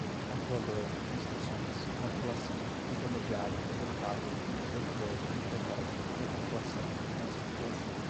Compilador, instruções, compilação, intermediária, executável, interpretador, microcódigo, recompilação, transcompilação